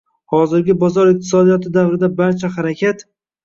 Hozirgi bozor iqtisodiyoti davrida barcha harakat